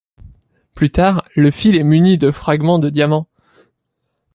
Plus tard, le fil est muni de fragments de diamant.